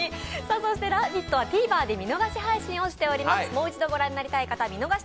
そして「ラヴィット！」はＴＶｅｒで見逃し配信をしています。